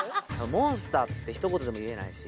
モンスターって一言でも言えないし